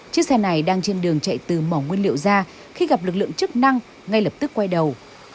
chiếc xe này đang trên đường chạy từ mỏ nguyên liệu ra khi gặp lực lượng chức năng ngay lập tức quay đầu